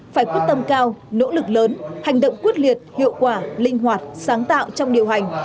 phải quyết tâm cao nỗ lực lớn hành động quyết liệt hiệu quả linh hoạt sáng tạo trong điều hành